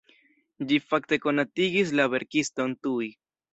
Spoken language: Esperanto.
Ĝi fakte konatigis la verkiston tuj.